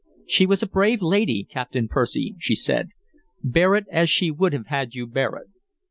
"She was a brave lady, Captain Percy," she said. "Bear it as she would have had you bear it."